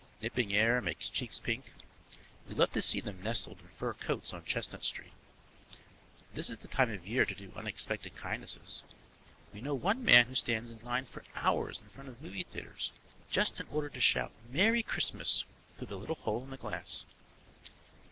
Nipping air makes cheeks pink; we love to see them nestled in fur coats on Chestnut Street. This is the time of year to do unexpected kindnesses. We know one man who stands in line for hours in front of movie theatres just in order to shout Merry Christmas through the little hole in the glass.